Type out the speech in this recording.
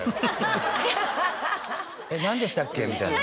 えっなんでしたっけ？みたいな。